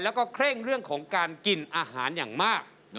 แล้วก็เคร่งเรื่องของการกินอาหารอย่างมาก